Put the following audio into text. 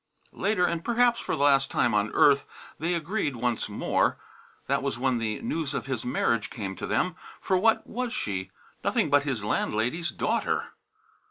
Later, and perhaps for the last time on earth, they agreed once more. That was when the news of his marriage came to them for what was she? Nothing but his landlady's daughter!